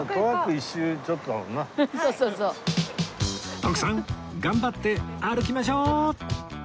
徳さん頑張って歩きましょう！